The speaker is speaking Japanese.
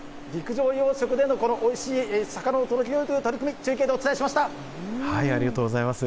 陸上養殖でのこのおいしい魚を届けようという取り組み、中継でお伝えしました。